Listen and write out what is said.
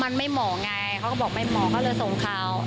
มันไม่เหมาะไงเขาก็บอกไม่หมอเขาเลยส่งข่าว